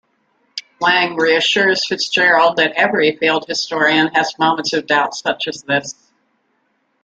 Wang reassures Fitzgerald that every field historian has moments of doubt such as this.